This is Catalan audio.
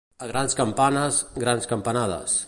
A grans campanes, grans campanades.